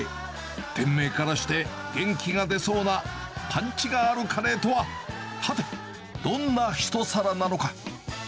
店名からして、元気が出そうなパンチがあるカレーとは、はて、どんな一皿なのか。